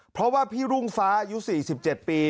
เพราะว่าพี่รุ่งฟ้าอายุ๔๗ปี